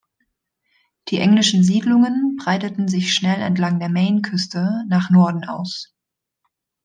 Die englischen Siedlungen breiteten sich schnell entlang der Maine-Küste nach Norden aus.